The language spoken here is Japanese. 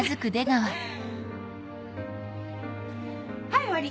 はい終わり！